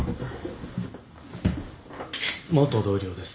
元同僚です。